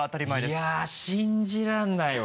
いや信じられないわ。